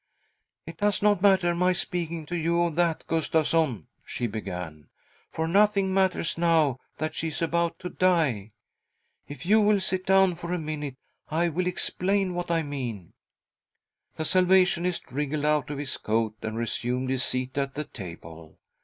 .'" It does not matter my speaking to you of that, Gustavsson," she began, " for nothing matters now that she is about to die. If you will' sit down for a minute, I will explain what I mean." The Salvationist wriggled out of his coat and resumed his seat at the table.